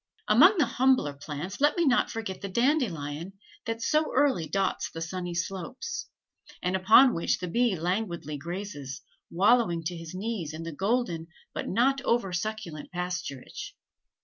Among the humbler plants, let me not forget the dandelion that so early dots the sunny slopes, and upon which the bee languidly grazes, wallowing to his knees in the golden but not over succulent pasturage.